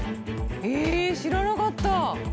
ええ知らなかった！